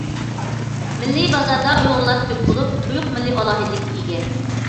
مىللىي بازاردا ئۇيغۇرلار كۆپ بولۇپ، قويۇق مىللىي ئالاھىدىلىككە ئىگە.